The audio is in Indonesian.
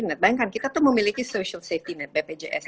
nah bayangkan kita tuh memiliki social safety net bpjs